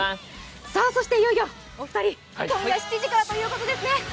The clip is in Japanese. そしていよいよお二人、今夜７時からということですね。